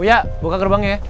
uya buka gerbangnya ya